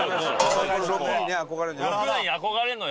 ６にね憧れるの。